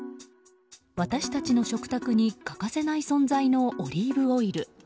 私たちの食卓に欠かせない存在のオリーブオイル。